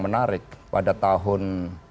menarik pada tahun